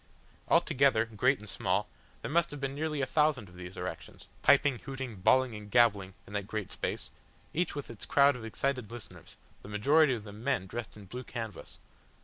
Altogether, great and small, there must have been nearly a thousand of these erections, piping, hooting, bawling and gabbling in that great space, each with its crowd of excited listeners, the majority of them men dressed in blue canvas.